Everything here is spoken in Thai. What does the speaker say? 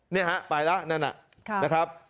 นี่ฮะไปแล้วนั่นน่ะนะครับ